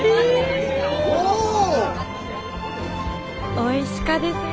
おいしかですよ。